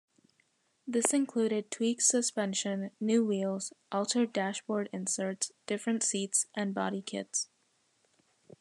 This included tweaked suspension, new wheels, altered dashboard inserts, different seats, and bodykits.